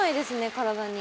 体に。